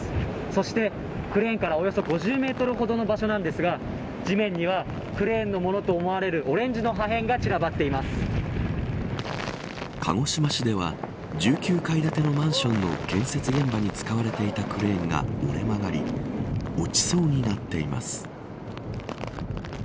そして、クレーンからおよそ５０メートルほどの場所なんですが地面にはクレーンのものと思われるオレンジの破片が鹿児島市では１９階建てのマンションの建設現場に使われていたクレーンが折れ曲がり落ちそうになっています。